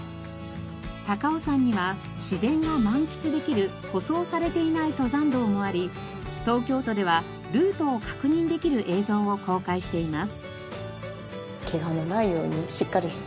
高尾山には自然が満喫できる舗装されていない登山道もあり東京都ではルートを確認できる映像を公開しています。